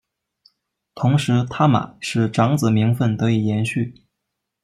同时他玛使长子名份得以延续。